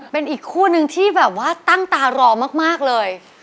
เป็นอีกคู่นึงที่แบบว่าตั้งตารอมากเลย